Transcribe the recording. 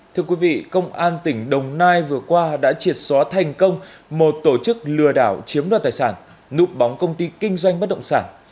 thưa quý vị công an tỉnh đồng nai vừa qua đã triệt xóa thành công một tổ chức lừa đảo chiếm đoạt tài sản nụ bóng công ty kinh doanh bất động sản